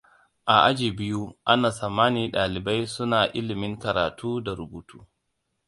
A aji biyu, ana tsammani dalibai su na ilimin karatu da rubutu.